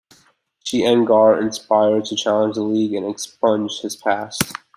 She and Gar inspire Sallow to challenge The League and expunge his past.